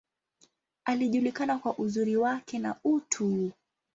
Alijulikana kwa uzuri wake, na utu.